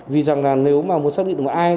vì rằng là nếu mà muốn xác định được